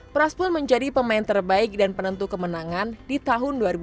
pras pun menjadi pemain terbaik dan penentu kemenangan di tahun dua ribu dua puluh